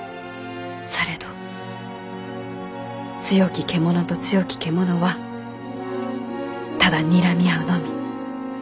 されど強き獣と強き獣はただにらみ合うのみ。